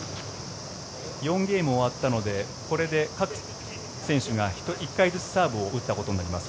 ４ゲーム終わったのでこれで各選手が１回ずつサーブを打ったことになります。